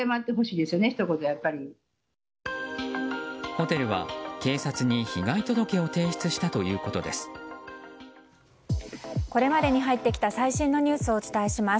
ホテルは、警察に被害届を提出したということです。